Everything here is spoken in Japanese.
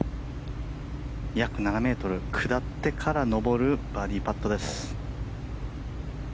約７ｍ、下ってから上るバーディーパットです。